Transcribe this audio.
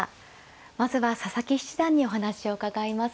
まずは佐々木七段にお話を伺います。